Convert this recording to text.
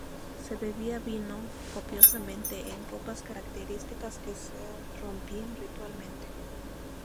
Se bebía vino copiosamente, en copas características que se rompían ritualmente.